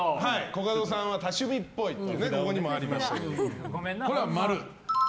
コカドさんは多趣味っぽいってここにもありましたけどこれは○。